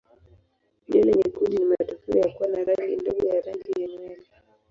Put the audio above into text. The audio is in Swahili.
Nywele nyekundu ni matokeo ya kuwa na rangi ndogo ya rangi ya nywele.